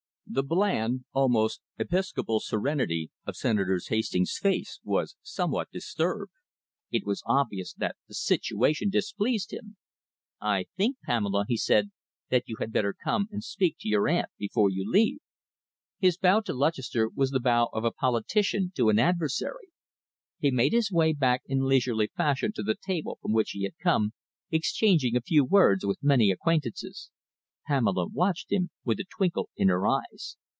The bland, almost episcopal serenity of Senator Hastings' face was somewhat disturbed. It was obvious that the situation displeased him. "I think, Pamela," he said, "that you had better come and speak to your aunt before you leave." His bow to Lutchester was the bow of a politician to an adversary. He made his way back in leisurely fashion to the table from which he had come, exchanging a few words with many acquaintances. Pamela watched him with a twinkle in her eyes.